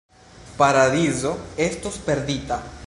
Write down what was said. Paradizo estos perdita.